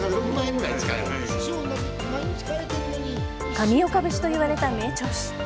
上岡節といわれた名調子。